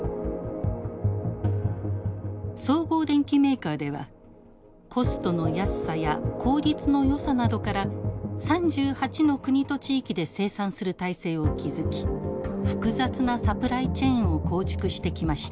総合電機メーカーではコストの安さや効率のよさなどから３８の国と地域で生産する体制を築き複雑なサプライチェーンを構築してきました。